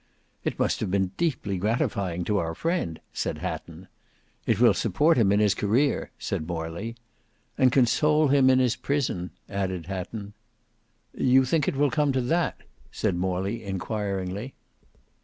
"It must have been deeply gratifying to our friend," said Hatton. "It will support him in his career," said Morley. "And console him in his prison," added Hatton. "You think that it will come to that?" said Morley inquiringly.